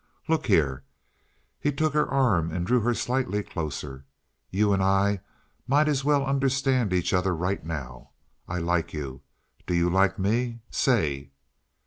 Look here"—he took her arm and drew her slightly closer—"you and I might as well understand each other right now. I like you. Do you like me? Say?"